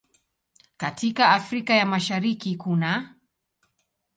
Katika Afrika ya Mashariki kunaː